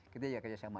kita juga kerjasama